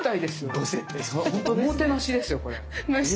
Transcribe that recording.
おもてなしですよこれ。